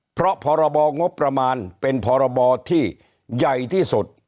เพราะพรบงบประมาณเป็นพรบที่ใหญ่ที่สุด